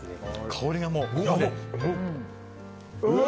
香りがもう。